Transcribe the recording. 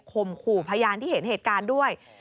มขู่พยานที่เห็นเหตุการณ์ด้วย